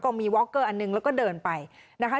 มีวอคเกอร์อันหนึ่งแล้วก็เดินไปนะคะ